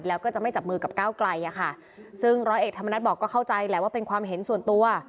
แล้วก็จะไม่จับมือกับก้าวไกลอะค่ะซึ่งร้อยเอกธรรมนัฐบอกก็เข้าใจแหละว่าเป็นความเห็นส่วนตัว